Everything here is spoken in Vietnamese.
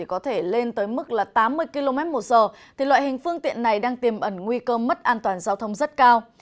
có thể lên tới mức tám mươi kmh loại hình phương tiện này đang tìm ẩn nguy cơ mất an toàn giao thông rất cao